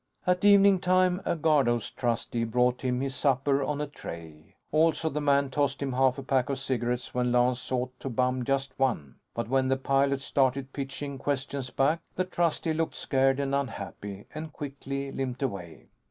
At evening time, a guardhouse trusty brought him his supper on a tray. Also, the man tossed him half a pack of cigarettes when Lance sought to bum just one. But when the pilot started pitching questions back, the trusty looked scared and unhappy and quickly limped away.